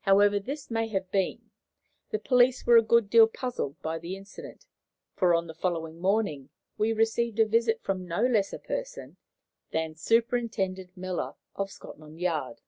However this may have been, the police were a good deal puzzled by the incident, for, on the following morning, we received a visit from no less a person than Superintendent Miller, of Scotland Yard.